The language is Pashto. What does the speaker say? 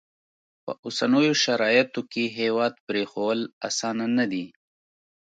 په اوسنیو شرایطو کې هیواد پرېښوول اسانه نه دي.